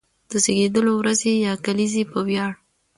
د زېږېدلو ورځې يا کليزې په وياړ،